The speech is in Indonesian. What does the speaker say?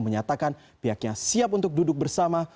menyatakan pihaknya siap untuk duduk bersama